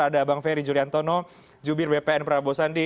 ada bang ferry juliantono jubir bpn prabowo sandi